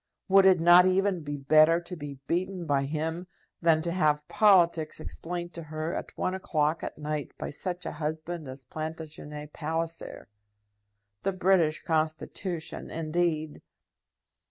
Would it not even be better to be beaten by him than to have politics explained to her at one o'clock at night by such a husband as Plantagenet Palliser? The British Constitution, indeed!